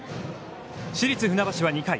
市立船橋は２回。